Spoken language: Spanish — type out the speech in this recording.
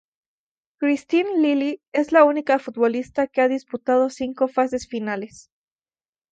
Kristine Lilly es la única futbolista que ha disputado cinco fases finales.